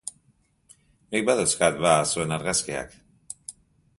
Nik badauzkat, ba, zuen argazkiak.